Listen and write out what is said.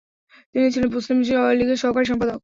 তিনি ছিলেন মুসলিম লীগের সহকারী সম্পাদক।